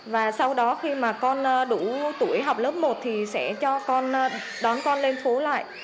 và sau đó khi mà con đủ tuổi học lớp một thì sẽ cho con đón con lên phố lại